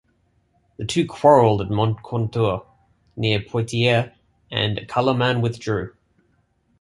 The two quarreled at Moncontour, near Poitiers, and Carloman withdrew.